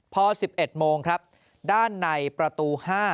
พอ๑๑โมงครับด้านในประตู๕